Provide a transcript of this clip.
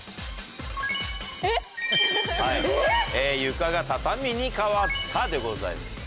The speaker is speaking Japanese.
「床が畳に変わった」でございます。